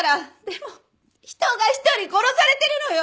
でも人が１人殺されてるのよ！